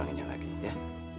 dan tidak mengulanginya lagi